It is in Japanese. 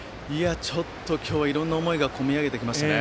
ちょっと今日いろんな思いが込み上げてきましたね。